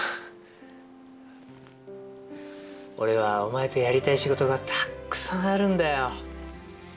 俺はおまえとやりたい仕事がたくさんあるんだよ